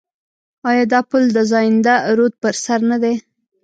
آیا دا پل د زاینده رود پر سر نه دی؟